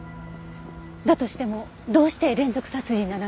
だとしてもどうして連続殺人だなんて？